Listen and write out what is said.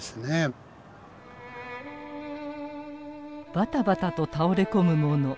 バタバタと倒れ込む者。